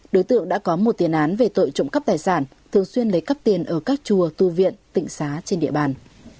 đối tượng đã có một tiền án về tội trộm cắp tài sản thường xuyên lấy cắp tiền ở các chùa tu viện tịnh xá trên địa bàn